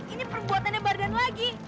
ini perbuatannya bardan lagi